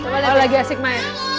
kalau lagi asik main